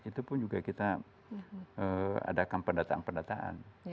itu pun juga kita adakan pendataan pendataan